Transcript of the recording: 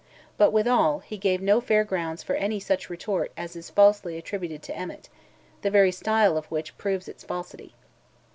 But withal, he gave no fair grounds for any such retort as is falsely attributed to Emmet, the very style of which proves its falsity.